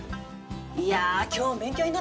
いや今日も勉強になったわ。